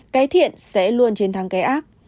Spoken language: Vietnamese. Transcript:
cái thiện sẽ luôn trên thang cái ác